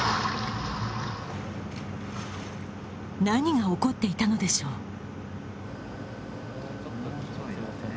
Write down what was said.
何が起こっていたのでしょう。